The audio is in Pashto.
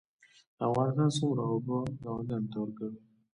افغانستان څومره اوبه ګاونډیانو ته ورکوي؟